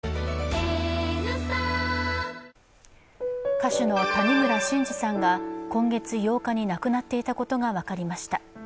歌手の谷村新司さんが今月８日に亡くなっていたことが分かりました。